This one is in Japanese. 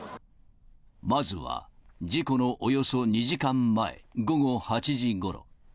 まずは事故のおよそ２時間前、午後８時ごろ。